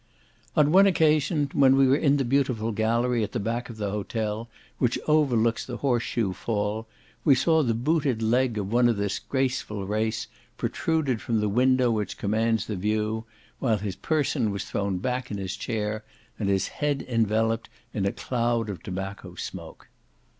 On one occasion, when we were in the beautiful gallery, at the back of the hotel, which overlooks the horse shoe fall, we saw the booted leg of one of this graceful race protruded from the window which commands the view, while his person was thrown back in his chair, and his head enveloped in a cloud of tobacco smoke.